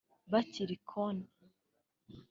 Bakari Koné